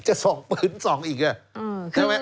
จะส่องปืนส่องอีกไอย่